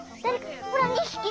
ほら２ひき。